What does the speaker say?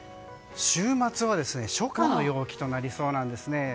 週末は初夏の陽気となりそうなんですね。